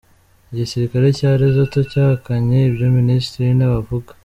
Igisirikare cya Lesotho cyahakanye ibyo Minisitiri w’Intebe avuga.